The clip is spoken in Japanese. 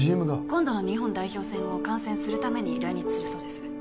今度の日本代表戦を観戦するために来日するそうです